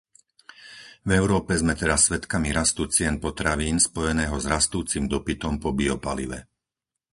V Európe sme teraz svedkami rastu cien potravín spojeného s rastúcim dopytom po biopalive.